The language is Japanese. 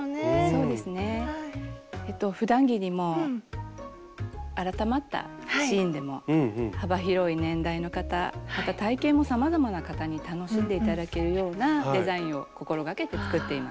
そうですねふだん着にも改まったシーンでも幅広い年代の方また体型もさまざまな方に楽しんで頂けるようなデザインを心がけて作っています。